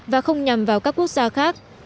và không nhằm vào các quốc gia khác